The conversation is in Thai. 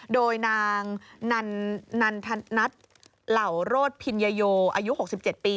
โดยนางนันทนัทเหล่าโรธพิญญโยอายุ๖๗ปี